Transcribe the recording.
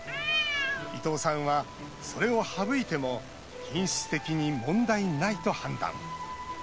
伊藤さんは、それを省いても品質的に問題ないと判断。